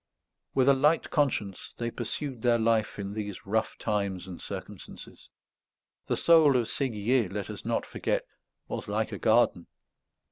With a light conscience, they pursued their life in these rough times and circumstances. The soul of Séguier, let us not forget, was like a garden.